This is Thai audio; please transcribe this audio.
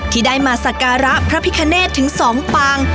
ที่ได้มาสักการะพระพิคเนตถึง๒ปาง